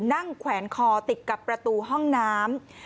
แขวนคอติดกับประตูห้องน้ำ